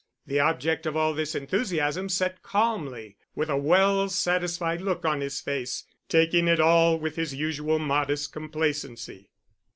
The object of all this enthusiasm sat calmly, with a well satisfied look on his face, taking it all with his usual modest complacency.